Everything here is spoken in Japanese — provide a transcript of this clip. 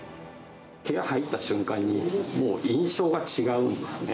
部屋入った瞬間に、もう印象が違うんですね。